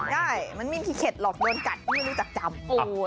ใช่มันไม่มีเข็ดหรอกโดนกัดไม่รู้จักจำ